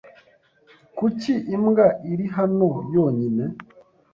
Kuki imbwa iri hano yonyine?